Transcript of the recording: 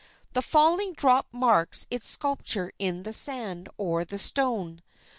The falling drop marks its sculpture in the sand or the stone.